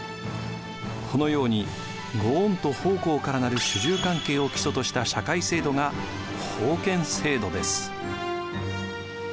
このように御恩と奉公から成る主従関係を基礎とした社会制度が封建制度です。